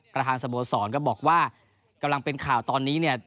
ประธานสโมสรก็บอกว่ากำลังเป็นข่าวตอนนี้เนี่ย